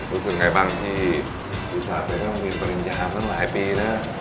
รู้สึกยังไงบ้างที่อุตส่าห์เป็นลูกน้องมีปริญญาต้นหลายปีนะ